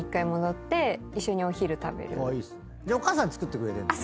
お母さん作ってくれてるの？